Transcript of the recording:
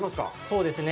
そうですね。